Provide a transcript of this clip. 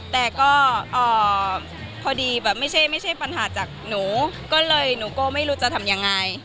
แต่ก็พอดีแบบไม่ใช่ปัญหาจากหนูก็เลยหนูก็ไม่รู้จะทำยังไง